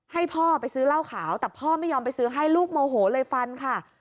ให้พ่อไปซื้อเหล้าขาวแต่พ่อไม่ยอมไปซื้อให้ลูกโมโหเลยฟันค่ะ